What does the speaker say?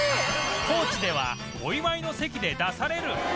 高知ではお祝いの席で出される